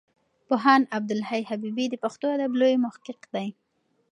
پوهاند عبدالحی حبیبي د پښتو ادب لوی محقق دی.